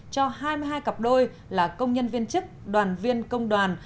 cho hai mươi hai cặp đôi là công nhân viên chức đoàn viên công đoàn